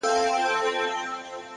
مهرباني د انسان نرم ځواک دی!